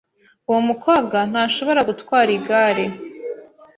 Uwo mukobwa ntashobora gutwara igare.